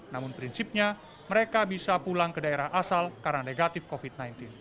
namun prinsipnya mereka bisa pulang ke daerah asal karena negatif covid sembilan belas